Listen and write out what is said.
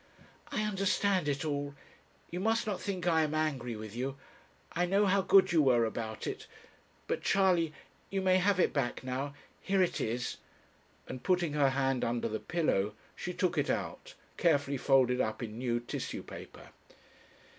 'I understand it all. You must not think I am angry with you. I know how good you were about it. But Charley, you may have it back now; here it is;' and putting her hand under the pillow, she took it out, carefully folded up in new tissue paper.